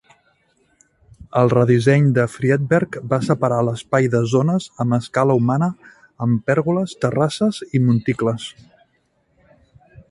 El redisseny de Friedberg va separar l'espai en zones amb escala humana amb pèrgoles, terrasses i monticles.